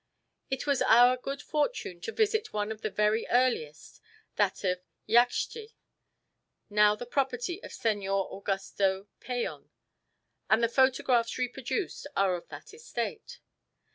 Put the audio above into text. It was our good fortune to visit one of the very earliest, that of Yaxche, now the property of Señor Augusto Peon, and the photographs reproduced are of that estate.